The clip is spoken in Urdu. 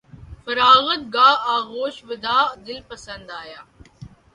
فراغت گاہ آغوش وداع دل پسند آیا